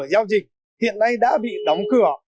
giao dịch hiện nay đã bị đóng cửa